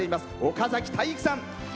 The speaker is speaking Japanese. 岡崎体育さん。